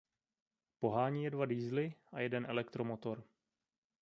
Pohání je dva diesely a jeden elektromotor.